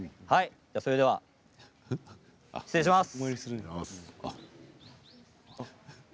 それでは、失礼します。